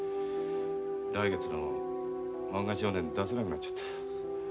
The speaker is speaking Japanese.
来月の「漫画少年」出せなくなっちゃった。